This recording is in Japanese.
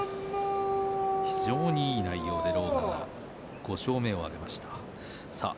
非常にいい内容で狼雅が５勝目を挙げました。